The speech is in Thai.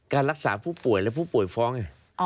การรักษาผู้ป่วยและผู้ป่วยฟ้องไง